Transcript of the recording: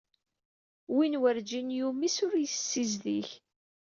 Win werǧin yumis ur yessizdig.